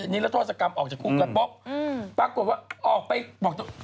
นิรัติศาสตร์กรรมออกจากคุกก็ป๊อกอืมปรากฏว่าออกไปบอกตัว